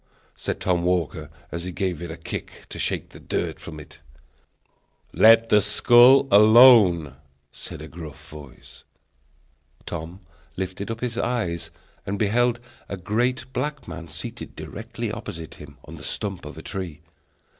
said Tom Walker, as he gave it a kick to shake the dirt from it. "Let that skull alone!" said a gruff voice. Tom lifted up his eyes and beheld a great black man seated directly opposite him, on the stump of a tree.